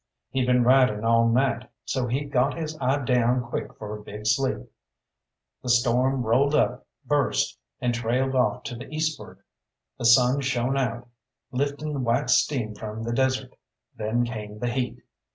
He'd been riding all night, so he got his eye down quick for a big sleep. The storm rolled up, burst, and trailed off to the eastward; the sun shone out, lifting white steam from the desert; then came the heat.